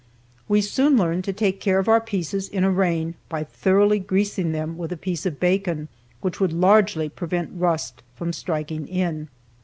We soon learned to take care of our pieces in a rain by thoroughly greasing them with a piece of bacon, which would largely prevent rust from striking in.